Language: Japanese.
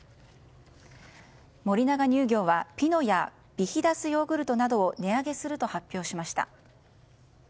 森永乳業はピノやビヒダスヨーグルトなどを値上げすると発表しました。